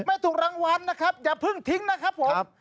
ไม่ถูกรางวัลนะครับอย่าเพิ่งทิ้งนะครับผม